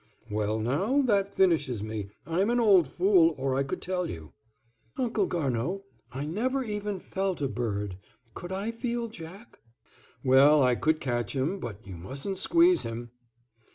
"Well, now, that finishes me. I am an old fool, or I could tell you." "Uncle Garnaud, I never even felt a bird; could I feel Jack?" "Well, I could catch him; but you mustn't squeeze him."